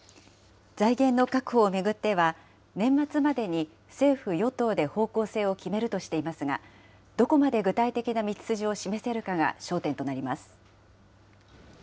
財源の確保を巡っては、年末までに政府・与党で方向性を決めるとしていますが、どこまで具体的な道筋を示せるかが焦点となります。